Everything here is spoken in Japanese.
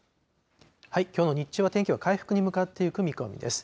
きょうの日中は天気は回復に向かっていく見込みです。